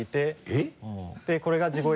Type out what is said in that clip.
えっ？